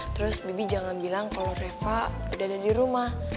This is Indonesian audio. terus bibi jangan bilang kalau reva udah ada di rumah